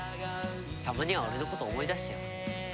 たまには俺のこと思い出してよ。